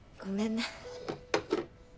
ごめんね。